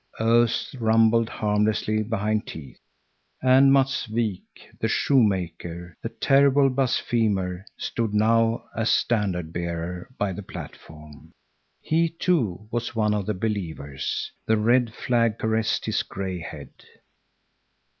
Oaths rumbled harmlessly behind teeth. And Matts Wik, the shoemaker, the terrible blasphemer, stood now as standard bearer by the platform. He, too, was one of the believers. The red flag caressed his gray head.